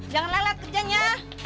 jangan lelah liat kerjanya